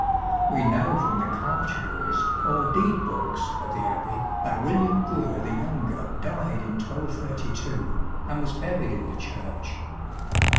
We know from the Cartularies or Deed books of the Abbey that William Brewer the younger died in 1232, and was buried in the Church.